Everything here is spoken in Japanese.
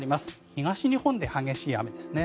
東日本で激しい雨ですね。